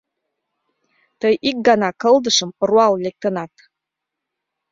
Тый ик гана кылдышым руал лектынат.